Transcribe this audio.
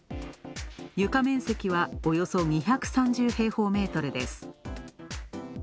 床面積は、およそ２３０平方メートルです。